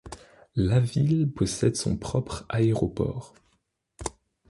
La ville possède son propre aéroport.